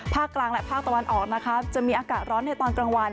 กลางและภาคตะวันออกนะคะจะมีอากาศร้อนในตอนกลางวัน